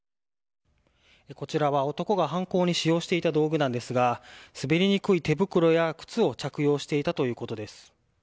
こちらは男が犯行に使用していた道具ですが滑りにくい手袋や靴を着用していたということです。